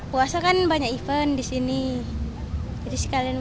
puasa kan banyak event di sini jadi sekalian buka di sini gitu